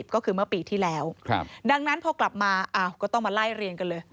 ก็คือเมื่อปีที่แล้วดังนั้นพอกลับมาก็ต้องมาไล่เรียงกันเลย